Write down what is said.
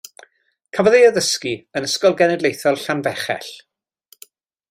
Cafodd ei addysgu yn Ysgol Genedlaethol Llanfechell.